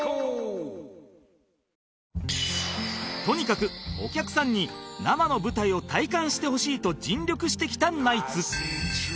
とにかくお客さんに生の舞台を体感してほしいと尽力してきたナイツ